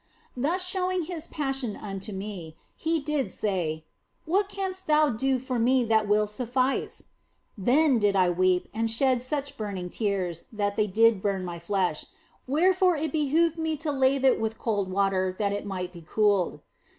Thus showing His Passion unto me, He did say, " What canst thou do for Me that will suffice ?" Then did I weep and shed such burning tears that they did burn my flesh, wherefore it behoved me to lave it with cold water that it might be cooled.